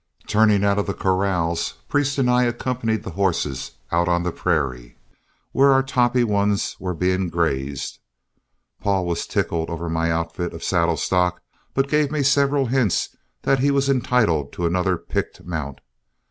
Turning out of the corrals, Priest and I accompanied the horses out on the prairie where our toppy ones were being grazed. Paul was tickled over my outfit of saddle stock, but gave me several hints that he was entitled to another picked mount.